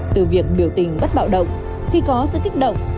từ việc biểu tình bất bạo động khi có sự kích động